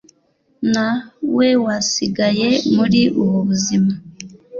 Na we wasigaye muri ubu buzima